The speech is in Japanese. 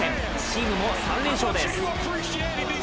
チームも３連勝です。